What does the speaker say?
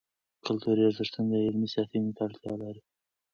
کلتوري ارزښتونه د علم ساتنې ته اړتیا لري.